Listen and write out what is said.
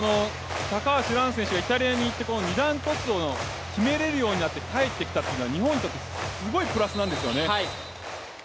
高橋藍選手がイタリアに行って二段トスを決めれるようになって帰ってきたっていうのは日本にとってすごいプラスなんですよね。